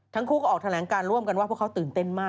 ทั้งคู่ก็ออกแถลงการร่วมกันว่าพวกเขาตื่นเต้นมาก